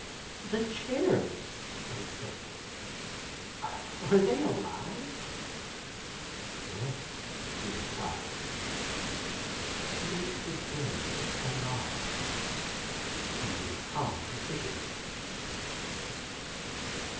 "The chairs," I say, "are they alive?" "Yes," he replies, "to make the dead alive, who will come to sit in them."